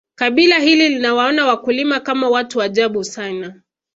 kabila hili linawaona wakulima Kama watu ajabu sana